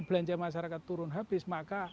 belanja masyarakat turun habis maka